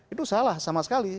itu salah sama sekali